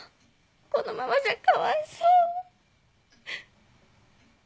このままじゃかわいそう。